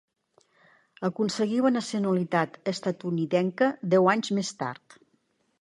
Aconseguí la nacionalitat estatunidenca deu anys més tard.